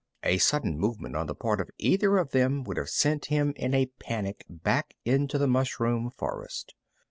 A sudden movement on the part of either of them would have sent him in a panic back into the mushroom forest.